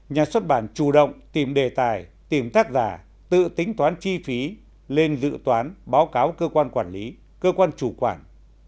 nhà xuất bản chủ động tìm đề tài tìm tác giả tự tính toán chi phí lên dự toán báo cáo cơ quan quản lý cơ quan chủ quản